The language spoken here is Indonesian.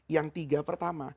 yang tiga pertama